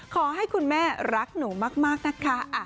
ขอให้คุณแม่รักหนูมากนะคะ